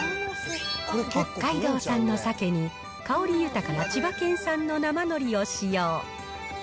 北海道産のさけに、香り豊かな千葉県産の生のりを使用。